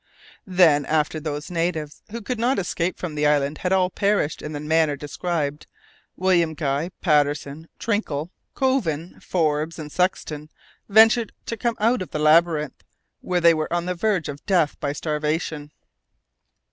Then, after those natives who could not escape from the island had all perished in the manner described, William Guy, Patterson, Trinkle, Covin, Forbes, and Sexton ventured to come out of the labyrinth, where they were on the verge of death by starvation.